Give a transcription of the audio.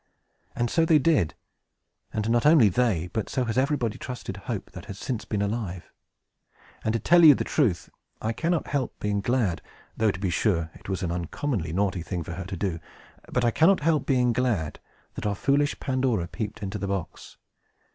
And so they did; and not only they, but so has everybody trusted Hope, that has since been alive. And to tell you the truth, I cannot help being glad (though, to be sure, it was an uncommonly naughty thing for her to do) but I cannot help being glad that our foolish Pandora peeped into the box.